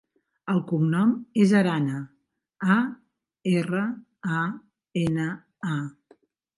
El cognom és Arana: a, erra, a, ena, a.